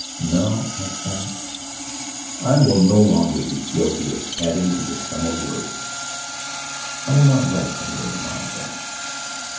"No," I thought, "I will no longer be guilty of adding to the sum of words. I'll not write my learned monograph."